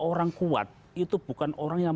orang kuat itu bukan orang yang